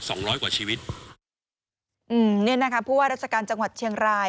สองร้อยกว่าชีวิตอืมเนี่ยนะคะผู้ว่าราชการจังหวัดเชียงราย